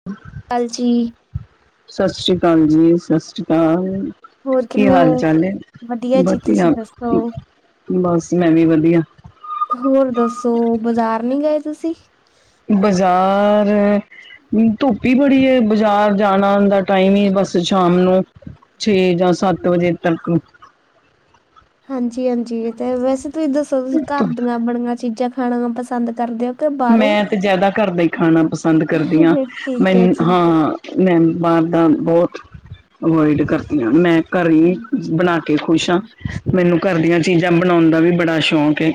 [unintelligible] ਹਾਂਜੀ ਸਤਿ ਸ਼੍ਰੀ ਅਕਾਲ ਜੀ ਸਤਿ ਸ਼੍ਰੀ ਅਕਾਲ ਹੋਰ ਕੀ ਕਿਵੇਂ ਹਾਲ ਹੋ? ਚਾਲ ਹੈ ਜੀ ਤੁਸੀਂ ਵਧੀਆ ਦੱਸੋ? ਬਸ ਮੈਂ ਵੀ ਵਧੀਆ ਹੋਰ ਦੱਸੋ ਬਜ਼ਾਰ ਨਹੀਂ ਗਏ ਤੁਸੀਂ ਬਜ਼ਾਰ, ਨੀ ਧੁੱਪ ਹੀ ਬੜੀ ਹੈ, ਬਜ਼ਾਰ ਜਾਣਾ ਹੁੰਦਾ ਟਾਈਮ ਹੀ ਬਸ ਸ਼ਾਮ ਨੂੰ ਛੇ ਜਾਂ ਸੱਤ ਵਜੇ ਤੱਕ ਹਾਂਜੀ ਹਾਂਜੀ ਅ ਤੇ ਹੈ, ਵੈਸੇ ਤੁਸੀਂ ਦੱਸੋ ਤੁਸੀਂ ਘਰ ਦੀਆਂ ਬਣੀਆਂ ਚੀਜ਼ਾਂ ਖਾਣਾ ਪਸੰਦ ਕਰਦੇ ਹੋ ਕਿ ਬਾਹਰੋਂ? ਮੈਂ ਤੇ ਜ਼ਿਆਦਾ ਘਰ ਦਾ ਹੀ ਖਾਣਾ ਪਸੰਦ ਕਰਦੀ ਹਾਂ, ਠੀਕ ਮੈ ਹੈ ਜੀ ਹਾਂ ਮੈਂ ਬਾਹਰ ਦਾ ਬਹੁਤ ਅਵੋਇਡ ਕਰਦੀ ਆਂ, ਮੈਂ ਘਰੇ ਹੀ ਬਣਾ ਕੇ ਕੇ ਖੁਸ਼ ਹਾਂ, ਮੈਨੂੰ ਘਰ ਦੀਆਂ ਚੀਜ਼ਾਂ ਬਣਾਉਣ ਦਾ ਵੀ ਬੜਾ ਸ਼ੌਕ ਏ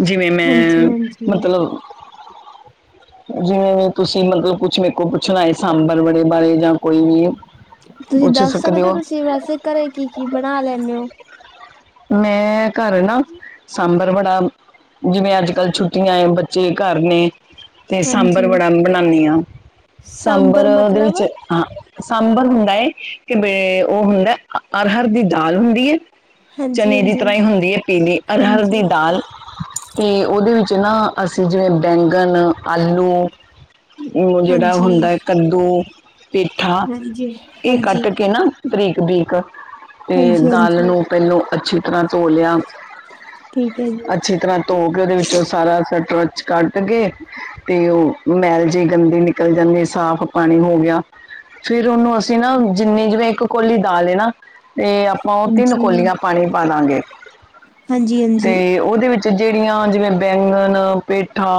ਜਿਵੇਂ ਹਾਂਜੀ ਮੈਂ ਹਾਂਜੀ। ਮਤਲਬ ਜਿਵੇਂ ਤੁਸੀਂ ਮਤਲਬ ਕੁਛ ਮੇਰੇ ਕੋਲੋ ਪੁੱਛਣ ਆਏ, ਸਾਂਬਰ ਵੜੇ ਬਾਰੇ ਜਾਂ ਕੋਈ ਵੀ। ਤੁਸੀਂ ਦੱਸ ਸਕਦੇ ਹੋ, ਤੁਸੀਂ ਵੈਸੇ ਘਰੇ ਕੀ ਕੀ ਬਣਾ ਲੈਂਨੇ ਔ। ਮੈਂ ਘਰ ਨਾ ਸਾਂਬਰ ਵੜਾ। ਜਿਵੇਂ ਅੱਜ ਕੱਲ੍ਹ ਛੁੱਟੀਆਂ ਏ, ਬੱਚੇ ਘਰ ਨੇ। ਤੇ ਸਾਂਬਰ ਹਾਂਜੀ ਵੜਾ ਬਣਾਉਨੀ ਆਂ, ਸਾਂਬਰ ਦੇ ਵਿੱਚ। ਹਾਂ ਸਾਂਬਰ ਹੁੰਦਾ ਹੈ, ਕਿ ਬ ਉਹ ਹੁੰਦਾ ਅਰਹਰ ਦੀ ਦਾਲ ਹੁੰਦੀ ਹੈ। ਹਾਂਜੀ ਚਨੇ ਦੀ ਹਾਂਜੀ ਤਰਾ ਈ ਹੁੰਦੀ ਹੈ ਪੀਲੀ, ਅਰਹਰ ਹਾਂਜੀ। ਦੀ ਦਾਲ। ਤੇ ਉਹਦੇ ਵਿੱਚ ਨਾ, ਅਸੀਂ ਜਿਵੇਂ ਬੈਂਗਣ ਆਲੂ। ਉਹ ਜਿਹੜਾ ਹਾਂਜੀ ਹੁੰਦਾ ਹੈ, ਕੱਦੂ ਪੇਠਾ ਹਾਂਜੀ ਇਹ ਹਾਂਜੀ ਕੱਟ ਕੇ ਨਾ। ਬਰੀਕ -ਬਰੀਕ, ਤੇ ਹਾਂਜੀ ਦਾਲ ਹਾਂਜੀ ਨੂੰ ਪਹਿਲੋਂ‌। ਅੱਛੀ ਤਰ੍ਹਾਂ ਧੋ ਲਿਆ ਠੀਕ ਹੈ ਜੀ ਅੱਛੀ ਤਰ੍ਹਾਂ ਧੋ ਕੇ ਓਦੇ ਵਿੱਚ ਸਾਰਾ ਸਟਰਚ ਕੱਟ ਕੇ ਤੇ ਉਹ ਮੈਲ ਜਿਹੀ ਗੰਦੀ ਨਿਕਲ ਜਾਂਦੀ, ਸਾਫ਼ ਪਾਣੀ ਹੋ ਗਿਆ। ਫੇਰ ਓਨੂੰ ਅਸੀਂ ਨਾ ਜਿੰਨੀ, ਜਿਵੇਂ ਇੱਕ ਕੋਲੀ ਦਾਲ ਏ ਨਾ ਤੇ ਆਪਾਂ ਓ ਤਿੰਨ ਹਾਂਜੀ। ਕੋਲੀਆਂ ਪਾਣੀ ਪਾ ਦਾਂਗੇ। ਹਾਂਜੀ ਹਾਂਜੀ ਤੇ ਓਦੇ ਵਿੱਚ ਜਿਹੜੀਆਂ, ਜਿਵੇਂ ਬੈਂਗਣ ਪੇਠਾ।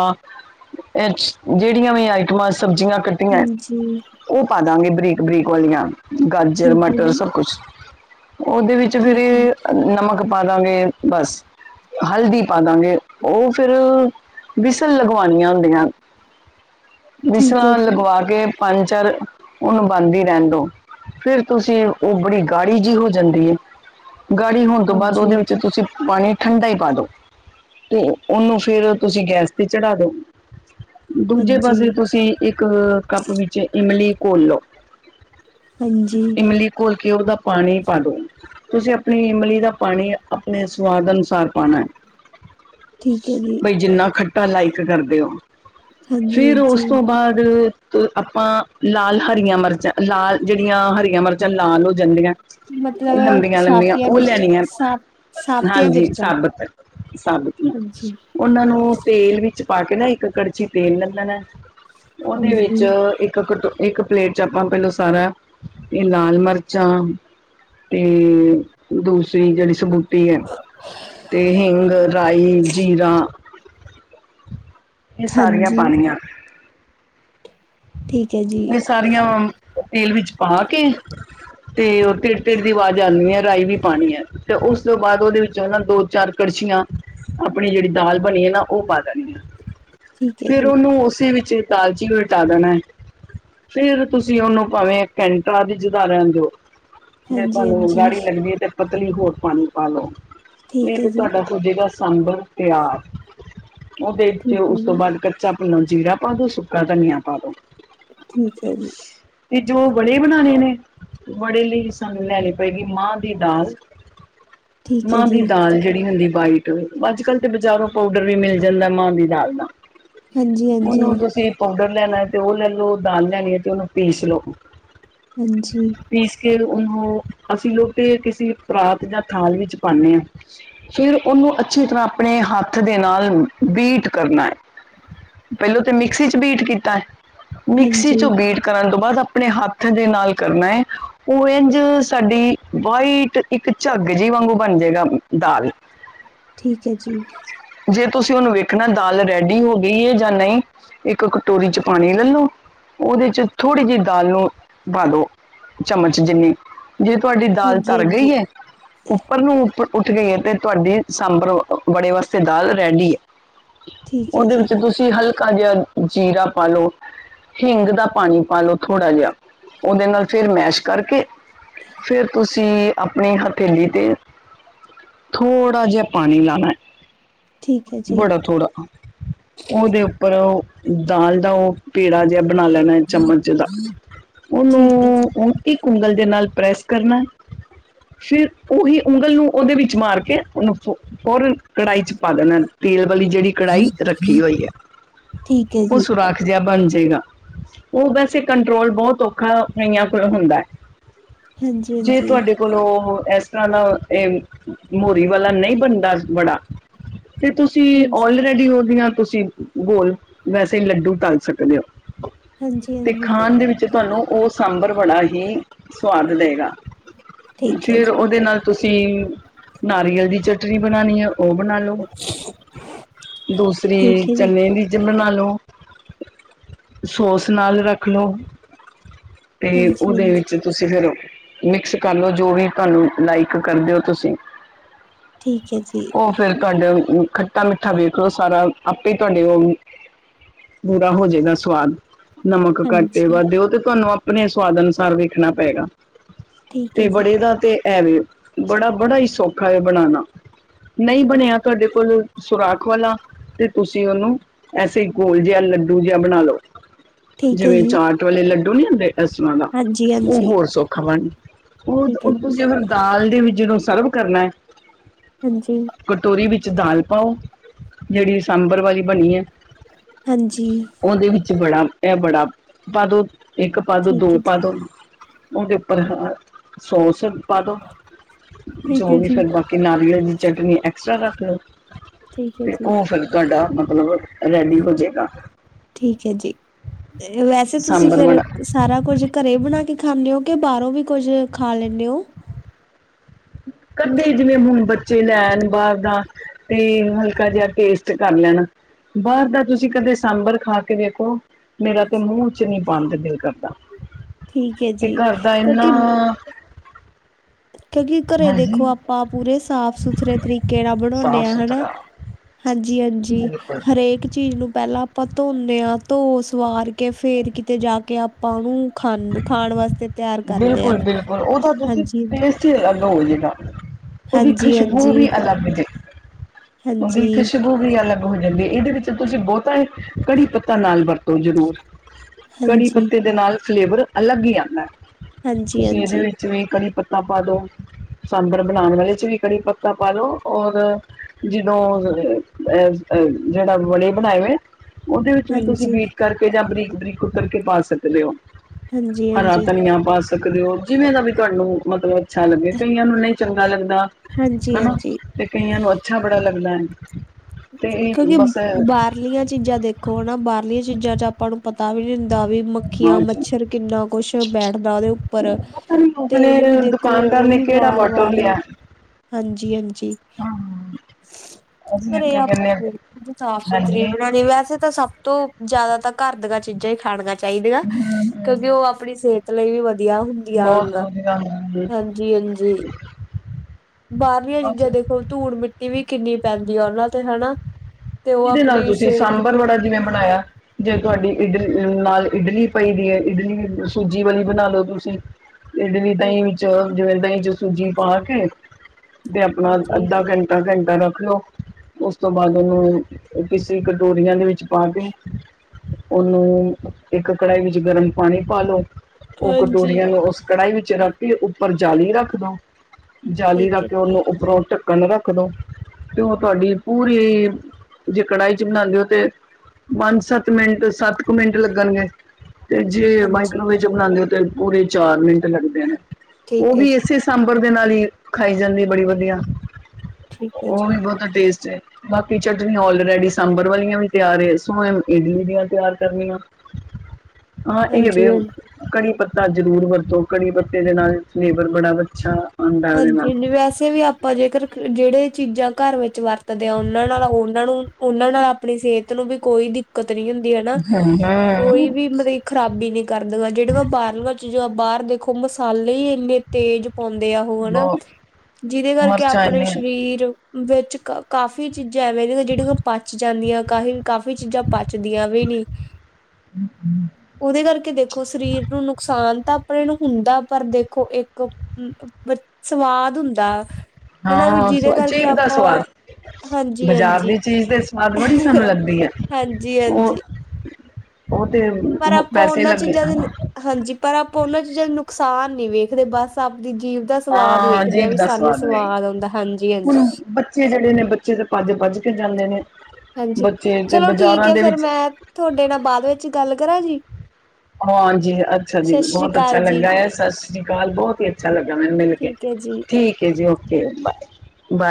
ਐ ਚ ਜਿਹੜੀਆਂ ਵੀ ਆਈਟਮਾਂ ਸਬਜ਼ੀਆਂ ਕੱਟ ਹਾਂਜੀ! ਓ ਪਾਦਾਂਗੇ ਬਰੀਕ-ਬਰੀਕ ਵਾਲੀਆਂ ਗਾਜਰ, ਠੀਕ ਹੈ ਮਟਰ ਜੀ, ਸਭ ਕੁਛ। ਓਦੇ ਵਿੱਚ ਚ ਠੀਕ ਹੈ, ਫੇਰ ਨਮਕ ਪਾ ਦਾਂਗੇ, ਬਸ‌। ਹਲਦੀ ਪਾ ਦਾਂਗੇ, ਓ ਫਿਰ ਵਿਸਲ ਲਗਵਾਣੀਆਂ ਹੁੰਦੀਆਂ। ਠੀਕ ਹੈ ਵਿਸਲਾਂ ਜੀ। ਲਗਵਾ ਕੇ ਪੰਜ -ਚਾਰ, ਓਨੂੰ ਬੰਦ ਹੀ ਰਹਿੰਦੋ। ਫੇਰ ਤੁਸੀਂ, ਓ ਬੜੀ ਗਾੜੀ ਜਿ ਹੋ ਜਾਂਦੀ ਏ। ਗਾੜੀ ਹੋਣ ਤੋਂ ਬਾਅਦ ਹਾਂਜੀ, ਓਦੇ ਹਾਂਜੀ, ਵਿੱਚ ਤੁਸੀਂ ਪਾਣੀ ਠੰਡਾ ਈ ਪਾ ਦੋ ਤੇ ਓਨੂੰ ਫੇਰ ਤੁਸੀਂ ਗੈਸ ਤੇ ਚੜ੍ਹਾ ਦੋ। ਦੂਜੇ ਹਾਂਜੀ, ਪਾਸੇ ਤੁਸੀਂ ਇੱਕ ਕੱਪ ਵਿੱਚ ਇਮਲੀ ਘੋਲ ਲੌ। ਹਾਂਜੀ, ਇਮਲੀ ਘੋਲ ਕੇ, ਓਦਾ ਪਾਣੀ ਪਾ ਦੋ। ਤੁਸੀਂ ਅਪ ਪਨੀ ਇਮਲੀ ਦਾ ਪਾਣੀ, ਅਪਨੇ ਸਵਾਦ ਅਨੁਸਾਰ ਪਾਨੈ। ਠੀਕ ਹੈ ਜੀ, ਬਈ ਜਿੰਨਾ ਖੱਟਾ ਲਾਈਕ ਕਰਦੇ ਓ। ਹਾਂਜੀ, ਫਿਰ ਓਸ ਹਾਂਜੀ। ਤੋਂ ਬਾਦ ਦ ਅਪਾਂ ਲਾਲ ਹਰੀਆਂ ਮਰਚਾਂ ਲਾਲ ਜੇੜੀਆਂ ਹਰੀਆਂ ਮਰਚਾਂ ਲਾਲ ਹੋ ਜਾਂਦੀਐਂ ਮਤਲਬ ਸਾਬਤ ਈ। ਉਹ ਲੈਣੀਐਂ। ਹਾਂਜੀ, ਮਿਰਚਾਂ ਸਾਬਤ -ਸਾਬਤ ਈ। ਹਾਂਜੀ, ਓਨਾਂ ਨੂੰ ਤੇਲ ਵਿੱਚ ਪਾ ਕੇ ਨਾ ਇੱਕ ਕੜਛੀ ਤੇਲ ਲੈ ਲੈਣਾ ਓਦੇ ਹਾਂਜੀ, ਵਿੱਚ ਇੱਕ ਇੱਕ ਕਟੋ-ਇੱਕ ਪਲੇਟ ਚ ਆਪਾਂ ਪੈਲੋਂ ਸਾਰਾ ਏ ਲਾਲ ਮਰਚਾਂ ਤੇ ਦੂਸਰੀ ਜੇੜੀ ਸਬੂਤੀ ਐ ਤੇ ਹਿੰਗ ਰਾਈ ਜੀਰਾ। ਐ ਸਾਰੀਆਂ ਹਾਂਜੀ। ਪਾਣੀਆਂ। ਠੀਕ ਹੈ ਜੀ, ਐ ਸਾਰੀਆਂ ਤੇਲ ਵਿੱਚ ਪਾ ਕੇ ਤੇ ਓ ਤਿੜ ਤਿੜ ਦੀ ਵਾਜ਼ ਆਂਦੀ ਐ। ਰਾਈ ਵੀ ਪਾਣੀ ਐ ਤੇ ਉਸ ਤੋਂ ਬਾਦ ਓਦੇ ਵਿੱਚ ਓ ਨਾਂ ਦੋ-ਚਾਰ ਕੜਛੀਆਂ ਆਪਣੀ ਜੇੜੀ ਦਾਲ ਬਣੀ ਏ ਨਾ ਓ ਪਾ ਦੇਣੀ ਐ ਠੀਕ ਹੈ ਫੇਰ ਜੀ, ਓਨੂੰ ਉਸੇ ਵਿੱਚ ਦਾਲ 'ਚ ਈ ਓਲਟਾ ਦੇਣਾ। ਫੇਰ ਤੁਸੀਂ ਓਨੂੰ ਭਾਵੇਂ ਘੰਟਾ ਰਿੱਜਦਾ ਰੈਣ ਦੇਓ। ਜੇ ਹਾਂਜੀ, ਤੁਹਾਨੂੰ ਹਾਂਜੀ, ਗਾੜੀ ਲੱਗਦੀ ਏ ਤੇ ਪਤਲੀ ਹੋਰ ਪਾਣੀ ਪਾ ਲੋ। ਏ ਠੀਕ ਹੈ ਤੇ ਜੀ। ਤੁਆਡਾ ਹੋਜੇਗਾ ਸਾਂਬਰ ਤਿਆਰ। ਓਦੇ ਚ ਠੀਕ ਹੈ ਉਸ ਤੋਂ ਜੀ, ਬਾਦ ਕੱਚਾ ਜੀਰਾ ਪਾ ਦੋ, ਸੁੱਕਾ ਧਨੀਆ ਪਾ ਦੋ। ਠੀਕ ਐ ਜੀ। ਤੇ ਜੋ ਵੜੇ ਬਣਾਣੇ ਨੇ, ਵੜੇ ਲਈ ਸਾਨੂੰ ਲੈਣੀ ਪਏਗੀ‌ ਮਾਂ ਦੀ ਦਾਲ, ਠੀਕ ਹੈ ਮਾਂ ਜੀ, ਦੀ ਦਾਲ ਜੇੜੀ ਹੂੰਦੀ ਵਾਈਟ ਵਾਲੀ। ਅੱਜ ਕੱਲ ਤੇ ਬਜ਼ਾਰੋਂ ਪਾਊਡਰ ਵੀ ਮਿਲ ਜਾਂਦੈ ਮਾਂ ਦੀ ਦਾਲ ਦਾ। ਹਾਂਜੀ, ਹਾਂਜੀ। ਓਨੂੰ ਤੁਸੀਂ ਪੋਡਰ ਲੈਣਾ ਤੇ ਓ ਲੈ ਲਓ, ਦਾਲ ਲੈਣੀ ਏ ਤੇ ਓਨੂੰ ਪੀਸ ਲਓ। ਹਾਂਜੀ। ਪੀਸ ਕੇ ਓਨੂੰ ਅਸੀਂ ਲੋਗ ਤੇ ਕਿਸੇ ਪਰਾਤ ਜਾਂ ਥਾਲ ਵਿੱਚ ਪਾਨੇ ਆਂ। ਫੇਰ ਓਹਨੂੰ ਅੱਛੀ ਤਰ੍ਹਾਂ ਆਪਣੇ ਹਾਥ ਦੇ ਨਾਲ ਬੀਟ ਕਰਨਾ ਐ। ਪੇਹਲੋਂ ਤੇ ਮਿਕਸੀ ਇੱਚ ਬੀਟ ਕੀਤਾ ਐ ਮਿਕਸੀ ਹਾਂਜੀ, ਚੋਂ ਬੀਟ ਕਰਨ ਤੋਂ ਬਾਅਦ ਆਪਣੇ ਹਾਥ ਦੇ ਨਾਲ ਕਰਨਾ ਐ ਓ ਏਂਜ ਸਾਡੀ ਵਾਈਟ ਇੱਕ ਚਾਗ ਜਿਈ ਵਾਂਗੂ ਬਣ ਜਾਏਗਾ ਦਾਲ। ਠੀਕ ਐ ਜੀ। ਜੇ ਤੁਸੀਂ ਓਹਨੂੰ ਵੇਖਣਾ ਦਾਲ ਰੈਡੀ ਹੋ ਗਈ ਏ ਜਾਂ ਨਈ ਇੱਕ ਕਟੋਰੀ ਚ ਪਾਣੀ ਲੈਲੋ, ਓਹਦੇ ਚ ਥੋੜ੍ਹੀ ਜਿਹੀ ਦਾਲ ਨੂੰ ਪਾ ਦੋ। ਚਮਚ ਜਿੰਨੀ, ਜੇ ਤੁਹਾਡੀ ਦਾਲ ਹਾਂਜੀ, ਤਰ ਗਈ ਹਾਂਜੀ, ਏ ਉੱਪਰ ਨੂੰ ਉਪਰ ਉੱਠ ਗਈ ਏ ਤੇ ਤੁਆਡੀ ਸਾਂਬਰ ਅ ਵੜੇ ਵਾਸਤੇ ਦਾਲ ਰੈਡੀ ਏ। ਹਮ ਓਹਦੇ ਵਿੱਚ ਤੁਸੀਂ ਹਲਕਾ ਜੇਆ ਜੀਰਾ ਪਾ ਲੋ। ਹਿੰਗ ਦਾ ਪਾਣੀ ਪਾ ਲੋ ਥੋੜ੍ਹਾ ਜੇਆ, ਓਹਦੇ ਨਾਲ ਫੇਰ ਮੈਸ਼ ਕਰਕੇ [inaudible] ਫੇਰ ਤੁਸੀਂ ਆਪਣੀ ਹਥੇਲੀ ਤੇ ਥੋੜਾ ਜੇਹਾ ਪਾਣੀ ਲਾਨਾ ਏ। ਠੀਕ ਹੈ ਜੀ, ਬੜਾ ਥੋੜ੍ਹਾ, ਓਹਦੇ ਉੱਪਰ ਦਾਲ ਦਾ ਓਹ ਪੇੜਾ ਜੇਹਾ ਬਣਾ ਲੈਣਾ ਏ ਚਮਚ ਦਾ, ਓਹਨੂੰ ਠੀਕ ਹੈ ਜੀ, ਓਨੂੰ ਇੱਕ ਉੁੰਂਗਲ ਦੇ ਨਾਲ ਪ੍ਰੈਸ ਕਰਨਾ ਏ, ਫਿਰ ਓਹੀ ਉਂਗਲ ਨੂੰ ਓਹਦੇ ਵਿੱਚ ਮਾਰ ਕੇ ਉਹਨੂੰ ਫ ਔਰ ਕੜਾਈ ਚ ਪਾ ਦੇਣਾ ਏ ਤੇਲ ਵਾਲੀ ਜੇਹੜੀ ਕੜਾਈ ਰੱਖੀ ਹੋਈ ਏ, ਠੀਕ ਹੈ ਉਹ ਜੀ, ਸੁਰਾਖ ਜੇਆ ਬਣ ਜਏਗਾ, ਓਹ ਵੈਸੇ ਕੰਟਰੋਲ ਬੋਹਤ ਔਖਾ ਕਈਆਂ ਕੋਲ ਹੁੰਦਾ ਏ। ਹਾਂਜੀ, ਜੇ ਹਾਂਜੀ। ਤੁਹਾਡੇ ਕੌਲੋਂ ਐਸ ਤਰ੍ਹਾਂ ਦਾ ਏਹ ਮੋਅਰੀ ਵਾਲਾ ਨਈ ਬਣਦਾ ਵੜਾ ਫਿਰ ਤੁਸੀਂ ਹਾਂਜੀ, ਔਲ ਰੈਡੀ ਔਦੀਆਂ ਤੁਸੀਂ ਗੋਲ ਵੈਸੇ ਈ ਲੱਡੂ ਤਲ ਸਕਦੇ ਔ। ਹਾਂਜੀ, ਤੇ ਹਾਂਜੀ ਖਾਣ ਦੇ ਵਿੱਚ ਤੁਹਾਨੂੰ ਓਹ ਸਾਂਬਰ ਵੜਾ ਹੀ ਸਵਾਦ ਦਏਗਾ, ਠੀਕ ਹੈ ਜਿੜ ਜੀ, ਓਹਦੇ ਨਾਲ ਤੁਸੀਂ ਨਾਰੀਅਲ ਦੀ ਚਟਨੀ ਬਣਾਣੀ ਏ ਓਹ ਬਣਾ ਲੋ, ਦੂਸਰੀ ਠੀਕ ਹੈ ਜੀ, ਚਨੇ ਦੀ ਜੇ ਬਣਾ ਲਓ, ਸੌਸ ਨਾਲ ਰੱਖ ਲੋ। ਤੇ ਹਾਂਜੀ, ਉਹਦੇ ਹਾਂਜੀ ਵਿੱਚ ਤੁਸੀਂ ਫੇਰ ਮਿਕਸ ਕਰ ਲਓ ਜੋ ਵੀ ਤੁਹਾਨੂੰ ਲਾਈਕ ਕਰਦੇ ਔ ਤੁਸੀਂ। ਠੀਕ ਏ ਜੀ। ਤੁਹਾਡ ਖੱਟਾ ਮਿੱਠਾ ਵੇਖ ਲੋ ਸਾਰਾ ਆਪੇ ਈ ਤੁਹਾਡੇ ਉਹ ਬੁਰਾ ਹੋ ਜਾਏਗਾ ਸਵਾਦ। ਨਮਕ ਕਾਟ ਏ, ਹਾਂਜੀ ਵਾਧ ਏ ਓਹ ਤੇ ਤੁਹਾਨੂੰ ਆਪਣੇ ਸਵਾਦ ਅਨੁਸਾਰ ਵੇਖਣਾ ਪਏਗਾ। ਠੀਕ ਤੇ ਹੈ ਜੀ, ਵੜੇ ਦਾ ਤੇ ਐਹ ਵੇ ਬੜਾ-ਬੜਾ ਹੀ ਸੌਖਾ ਏ ਬਣਾਨਾ। ਨਈ ਬਣੇਆ ਤੁਹਾਡੇ ਕੋਲ ਸੁਰਾਖ ਵਾਲਾ ਤੇ ਤੁਸੀਂ ਉਹਨੂੰ ਐਸੇ ਈ ਗੋਲ ਜੇਹਾ ਲੱਡੂ ਜੇਹਾ ਬਣਾ ਲੋ। ਠੀਕ ਹੈ ਜਿਵੇਂ ਜੀ, ਚਾਟ ਵਾਲੇ ਲੱਡੂ ਨੀ ਹੁੰਦੇ ਐਸ ਰ੍ਹਾਂ ਦਾ। ਹਾਂਜੀ, ਉਹ ਹਾਂਜੀ ਹੋਰ ਸੌਖਾ ਬਣ, ਉਹ, ਠੀਕ ਹੈ ਉਹ ਜੀ, ਤੁਸੀਂ ਅਗਰ ਦਾਲ ਦੇ ਵਿੱਚ ਜਿਰੋ ਸਰਵ ਕਰਨਾ ਏ ਹਾਂਜੀ। ਕਟੋਰੀ ਵਿੱਚ ਦਾਲ ਪਾਓ ਜੇਹੜੀ ਸਾਂਬਰ ਵਾਲੀ ਬਣੀ ਏ। ਹਾਂਜੀ। ਔਂਦੇ ਵਿੱਚ ਵੜਾ, ਏਹ ਵੜਾ ਪਾ ਦੋ ਇੱਕ ਪਾ ਦੋ, ਠੀਕ ਦੋ ਹੈ ਪਾ ਜੀ, ਦੋ। ਉਹਦੇ ਉੱਪਰ ਹ-ਹ ਸੋਸ ਪਾ ਦੋ ਜੋ ਠੀਕ ਹੈ ਵੀ ਜੀ, ਫੇਰ ਬਾਕੀ ਨਾਰੀਅਲ ਦੀ ਚਟਨੀ ਐਕਸਟਰਾ ਰੱਖ ਲੋ। ਠੀਕ ਹੈ ਤੇ ਜੀ, ਉਹ ਫਿਰ ਤੁਹਾਡਾ ਮਤਲਬ ਰੈਡੀ ਹੋ ਜੇਗਾ। ਠੀਕ ਹੈ ਜੀ। ਵੈਸੇ ਤੁਸੀਂ ਸਾਂਬਰ ਫੇਰ ਵੜਾ ਸਾਰਾ ਕੁੱਝ ਘਰੇ ਬਣਾ ਕੇ ਖਾਣੇ ਹੋ ਕੇ ਬਾਹਰੋਂ ਵੀ ਕੁੱਝ ਖਾ ਲੈਣੇ ਹੋ? ਕਦੇ ਜਿਵੇਂ ਹੁਣ ਬੱਚੇ ਲੈਣ ਬਾਹਰ ਦਾ ਤੇ ਹਲਕਾ ਜਿਹਾ ਟੇਸਟ ਕਰ ਲੈਣਾ। ਬਾਹਰ ਦਾ ਤੁਸੀਂ ਕਦੇ ਸਾਂਭਰ ਖਾ ਕੇ ਦੇੇਖੋ। ਮੇਰਾ ਤੇ ਮੂੰਹ ਚ ਨੀ ਪਾਣੀ ਦਾ ਦਿਲ ਕਰਦਾ ਠੀਕ ਹੈ ਕੇ ਜੀ, ਕਾਰਦਾ ਏਨਾ ਕਿਉਂਕਿ ਕਿਉਂਕਿ ਘਰੇ ਦੇਖੋ ਹਾਂਜੀ ਆਪਾਂ ਪੂਰੇ ਸਾਫ-ਸੁਥਰੇ ਤਰੀਕੇ ਨਾਲ ਬਣਾਉਣੇ ਸਾਫ ਆ ਹਨਾ ਸੁਥਰਾ ਹਾਂਜੀ-ਹਾਂਜੀ, ਬਿਲਕੁਲ ਹਰੇਕ ਚੀਜ਼ ਨੂੰ ਪਹਿਲਾਂ ਆਪਾਂ ਤੋਦੇ ਆ ਤੋ ਸਵਾਰ ਕੇ ਫੇਰ ਕਿਤੇ ਜਾ ਕੇ ਆ ਆਪਾਂ ਉਹਨੂੰ ਖਣ ਖਾਣ ਵਾਸਤੇ ਤਿਆਰ ਕਰਦੇ ਆ ਬਿਲਕੁਲ-ਬਿਲਕੁਲ ਉਹਦਾ ਤੁਸੀਂ ਹਾਂਜੀ ਟੇਸਟ ਅਲੱਗ ਹੋ ਜੇ ਗਾ ਉਹਦੀ ਖੁਸ਼ਬੂ ਹਾਂਜੀ-ਹਾਂਜੀ। ਵੀ ਅਲੱਗ ਜੇ। ਉਹਦੀ ਹਾਂਜੀ, ਖੁਸ਼ਬੂ ਵੀ ਅਲੱਗ ਹੋ ਜਾਂਦੀ ਏ ਇਹਦੇ ਵਿੱਚ ਤੁਸੀਂ ਬਹੁਤਾ ਕੜੀ-ਪੱਤਾ ਨਾਲ ਵਰਤੋ ਜ਼ਰੂਰ। ਹਾਂਜੀ, ਕੜੀ-ਪੱਤੇ ਦੇ ਨਾਲ ਫਲੇਵਰ ਅਲੱਗ ਹੀ ਆਦੈ ਤੁਸੀਂ ਇਹਦੇ ਹਾਂਜੀ-ਹਾਂਜੀ, ਵਿੱਚ ਜਿਵੇਂ ਕੜੀ-ਪੱਤਾ ਪਾ ਦੋ ਸਾਂਬਰ ਬਣਾਉਣ ਵਾਲੇ ਚ ਵੀ ਕੜੀ-ਪੱਤਾ ਪਾ ਦੋ ਔਰ ਜਿਦੋਂ ਅ ਜਿਹੜਾ ਵੜੇ ਬਣਾਏ ਹੋਏ ਉਹਦੇ ਵਿੱਚ ਵੀ ਤੁਸੀਂ ਹਾਂਜੀ। ਬਰੀਕ ਕਰਕੇ ਜਾਂ ਬਰੀਕ-ਬਰੀਕ ਕੁਤਰ ਕੇ ਪਾ ਸਕਦੇ ਹੋ। ਹਰਾ ਹਾਂਜੀ-ਹਾਂਜੀ, ਤਨੀਆ ਪਾ ਸਕਦੇ ਹੋ ਜਿਵੇਂ ਦਾ ਵੀ ਤੁਹਾਨੂੰ ਮਤਲਬ ਅੱਛਾ ਲੱਗੇ ਕਈਆਂ ਨੂੰ ਨਹੀਂ ਚੰਗਾ ਲੱਗਦਾ ਹਨਾ ਹਾਂਜੀ-ਹਾਂਜੀ ਤੇ ਕਈਆਂ ਨੂੰ ਅੱਛਾ ਬੜਾ ਲੱਗਦਾ ਐ। ਕਿਉਂਕਿ ਬਾਹਰ ਲੀਆਂ ਚੀਜ਼ਾਂ ਦੇਖੋ ਹਨਾ ਬਾਹਰ ਲੀਆਂ ਚੀਜ਼ਾਂ ਚ ਆ ਆਪਾਂ ਨੂੰ ਪਤਾ ਵੀ ਨੀ ਹੁੰਦਾ ਵੀ ਮੱਖੀਆਂ, ਹਾਂਜੀ ਮੱਛਰ ਕਿੰਨਾ ਕੁਛ ਬੈਠਦਾ ਉਹਦੇ ਉੱਪਰ ਪਤਾ ਨੀ ਉਸਨੇ ਤੇਲ ਵੀ ਦੇਖੋ ਦੁਕਾਨਦਾਰ ਨੇ ਉਹੀ ਕਿਹੜਾ ਬੋਟਲ ਵਾਰ-ਵਾਰ ਲਿਆ ਹਾਂਜੀ-ਹਾਂਜੀ। ਅਸੀਂ ਘਰੇ ਇੱਥੇ ਆਪਾਂ ਕਹਿੰਦੇ ਬਿਲਕੁਲ ਸਾਫ਼-ਸੁਥਰੀ ਹਾਂਜੀ ਬਣਾਨੇ, ਵੈਸੇ ਤਾਂ ਸਭ ਤੋਂ ਜਿਆਦਾ ਤਾਂ ਘਰ ਦੀਆਂ ਚੀਜ਼ਾਂ ਹੀ ਖਾਣੀਆਂ ਚਾਹੀਦੀਆਂ ਹਮ, ਹਮ, ਹਮ, ਕਿਉਂਕਿ ਉਹ ਆਪਣੀ ਸਿਹਤ ਤ ਚਲ ਈ ਵੀ ਵਧੀਆ ਹੁੰਦੀਆਂ ਬਹੁਤ ਵਧੀਆ ਹੁੰਦਾ [unintelligible] ਹੈ ਹਾਂਜੀ-ਹਾਂਜੀ। ਬਾਹਰਲੀਆਂ ਚੀਜ਼ਾਂ ਬਸ ਦੇਖੋ ਧੂੜ-ਮਿੱਟੀ ਵੀ ਕਿੰਨੀ ਪੈਂਦੀ ਆ ਉਹਨਾਂ ਤੇ ਹਨਾ। ਤੇ ਉਹ ਇਹਦੇ ਨਾਲ ਆਪਣੀ ਤੁਸੀਂ ਸਿਹਤ ਨੂੰ ਸਾਂਬਰ ਵੜਾ ਜਿਵੇਂ ਬਣਾਇਆ ਜੇ ਤੁਹਾਡੀ ਇਡ ਨਾਲ ਇਡਲੀ ਪਈ [unintelligible] ਏ ਇਡਲੀ ਸੂਜੀ ਵਾਲੀ ਬਣਾ ਲਓ ਤੁਸੀਂ ਇਡਲੀ ਦਹੀਂ ਵਿੱਚ ਜਿਵੇਂ ਦਹੀਂ ਚ ਸੂਜੀ ਪਾ ਕੇ ਤੇ ਆਪਣਾ ਹਾਂਜੀ ਅੱਧਾ ਘੰਟਾ, ਘੰਟਾ ਰੱਖ ਲਓ ਉਸ ਤੋਂ ਬਾਅਦ ਉਹਨੂੰ ਤੇ ਕਿਸੇ ਕਟੋਰੀਆਂ ਦੇ ਵਿੱਚ ਪਾ ਕੇ ਔਨੂੰ ਇੱਕ ਕੜਾਹੀ ਵਿੱਚ ਗਰਮ ਪਾਣੀ ਪਾਲੋ ਉਹ ਕਟੋਰੀਆਂ ਹਾਂਜੀ ਨੂੰ ਉਸ ਕੜਾਹੀ ਵਿੱਚ ਰੱਖ ਕੇ ਉੱਪਰ ਜਾਲੀ ਰੱਖ ਦਓ ਜਾਲੀ ਠੀਕ ਹੈ ਰੱਖ ਜੀ ਕੇ ਉਹਨੂੰ ਉੱਪਰੋਂ ਟੱਕ ਟੱਕਣ ਰੱਖਦੋ ਤੇ ਉਹ ਤੁਹਾਡੀ ਪੂਰੇ ਜੇ ਕੜਾਹੀ ਚ ਬਣਾਦੇ ਹੋ ਤੇ ਪੰਜ-ਸੱਤ ਮਿੰਟ ਸੱਤ ਕ ਮਿੰਟ ਲੱਗਣਗੇ। ਤੇ ਜੇ ਹਾਂਜੀ ਮਾਈਕ੍ਰੋਵੇਵ ਚ ਬਣਾਦੇ ਹੋ ਤੇ ਪੂਰੇ ਚਾਰ ਮਿੰਟ ਲੱਗਦੇ ਨੇ ਉਹ ਠੀਕ ਹੈ ਵੀ ਜੀ ਇਸੇ ਸਾਂਬਰ ਦੇ ਨਾਲ ਹੀ ਖਾਈ ਜਾਂਦੀ ਏ ਬੜੀ ਵਧੀਆ ਠੀਕ ਹੈ ਉਹ ਵੀ ਜੀ ਬਹੁਤਾ ਟੇਸਟ ਏ ਬਾਕੀ ਚਟ [unintelligible] ਆਲਰੇਡੀ ਸਾਂਬਰ ਵਾਲੀਆਂ ਵੀ ਤਿਆਰ ਏ ਸੋ ਏਮ ਇਡਲੀ ਦੀ ਤਿਆਰ ਕਰਨੀਆਂ। ਹਾਂ ਏਹ ਹਾਂਜੀ ਵੇ ਹਾਂਜੀ ਕੜੀ-ਪੱਤਾ ਜ਼ਰੂਰ ਵਰਤੋ ਕੜੀ-ਪੱਤੇ ਦੇ ਨਾਲ ਫਲੇਵਰ ਬੜਾ ਬੱਛਾ ਹਾਂਜੀ ਨੀ ਵੈਸ, ਵੈਸੇ ਵੀ ਆਪਾਂ ਜੇਕਰ ਜਿਹੜੇ ਚੀਜ਼ਾਂ ਘਰ ਵਿੱਚ ਵਰਤਦੇ ਹਾਂ ਉਹਨਾਂ ਨਾਲ ਉਹਨਾਂ ਨੂੰ ਉਹਨਾਂ ਨਾਲ ਆਪਣੀ ਸਿਹਤ ਨੂੰ ਵੀ ਕੋਈ ਦਿੱਕਤ ਨੀ ਹੁੰਦੀ ਹਨਾ, ਹਮ ਕੋਈ ਵੀ ਮਰੀ ਖਰਾਬੀ ਨੀ ਕਰਦੀਆ ਜਿਹੜੀਆਂ ਬਾਹਰਲੀਆਂ ਚੀਜ਼ਾਂ ਬਾਹਰ ਦੇਖੋ ਮਸਾਲੇ ਹੀ ਇੰਨੇ ਤੇਜ਼ ਪਾਉਂਦ ਦੇ ਆ ਹੁਨ ਬਹੁਤ ਜਿਹਦੇ ਕਰਕੇ ਮਿਰਚਾਂ ਆਪਣੇ ਇੰਨੀ ਸਰੀਰ ਵਿੱਚ ਕ ਕਾਫ਼ੀ ਚੀਜ਼ਾਂ ਐਵੇਂ ਦੀਆਂ ਜਿਹੜੀਆਂ ਪਚ ਜਾਂਦੀਆਂ ਕਾਫ਼ੀ- ਕਾਫੀ ਚੀਜ਼ਾਂ- ਪਚਦੀਆਂ ਵੀ ਨੀ। ਉਹਦੇ ਕਰਕੇ ਦੇਖੋ ਸਰੀਰ ਨੂੰ ਨੁਕਸਾਨ ਤਾਂ ਅਪਣੇ ਨੂੰ ਹੁੰਦਾ ਪਰ, ਦੇਖੋ ਇੱਕ ਸਵਾਦ ਹੁੰਦਾ। ਹਨਾ ਵੀ ਹਾਂ, ਜਿਹਦੇ ਕਰਕੇ ਜੀਭ ਦਾ ਸਵਾਦ। ਆਪਾਂ ਹਾਂਜੀ ਬਾਜ਼ਾਰ ਹਾਂਜੀ ਦੀ ਚੀਜ਼ ਤੇ ਸਵਾਦ ਬੜੀ ਸਾਨੂੰ ਲੱਗਦੀ ਆ। ਹਾਂਜੀ ਉਹ, ਹਾਂਜੀ ਉਹ ਤੇ- ਪਰ, ਮ- ਆਪਾਂ ਪੈਸੇ ਉਹਨਾਂ ਲੱਗੇ ਚੀਜ਼ਾਂ ਵ ਹਾਂਜੀ, ਪਰ ਆਪਾਂ ਉਹਨਾਂ ਚੀਜ਼ਾਂ ਨੂੰ ਨੁਕਸਾਨ ਨਹੀਂ ਵੇਖਦੇ। ਬਸ, ਆਪਦੀ ਜੀਵ- ਦਾ ਸਵਾਦ ਹਾਂ ਵੇਖਦੇ ਆ ਜੀਭ ਵੀ ਦਾ ਸਾਨੂੰ ਸਵਾਦ ਆਂਦਾ। ਹਾਂਜੀ -ਹਾਂਜੀ ਫੇਰ ਜਿਹੜੇ ਨੇ ਬੱਚੇ ਤੇ ਭੱਜ -ਭੱਜ ਕੇ ਜਾਂਦੇ ਨੇ। ਹਾਂਜੀ, ਬੱਚੇ ਤੇ ਚਲੋ ਠੀਕ ਬਾਜ਼ਾਰਾਂ ਹੈ ਦੇ ਫੇਰ ਵਿੱਚ ਮੈਂ ਤੁਹਾਡੇ ਨਾਲ ਬਾਅਦ ਵਿੱਚ ਗੱਲ ਕਰਾਂ ਜੀ? ਹਾਂਜੀ, ਅੱਛਾ ਜੀ ਸਤਿ ਸ੍ਰੀ ਬਹੁਤ ਅੱਛਾ ਅਕਾਲ ਜੀ ਲੱਗਾ ਹੈ। ਸਤਿ ਸ੍ਰੀ ਅਕਾਲ, ਬਹੁਤ ਹੀ ਅੱਛਾ ਲੱਗਾ ਮੈਨੂੰ ਮਿਲ ਕੇ। ਠੀਕ ਹੈ ਜੀ ਠੀਕ ਹੈ ਜੀ, ਓਕੇ ਬਾਏ। ਬਾਏ